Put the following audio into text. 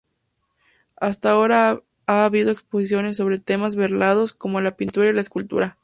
Hasta ahora ha habido exposiciones sobre temas variados, como la pintura y la escultura.